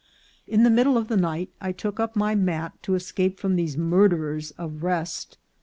In the middle of the night I took up my mat to escape from these murderers of rest.